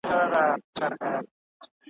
تللی دي له شپو یم افسانې را پسي مه ګوره ,